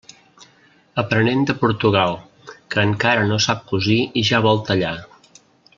Aprenent de Portugal, que encara no sap cosir i ja vol tallar.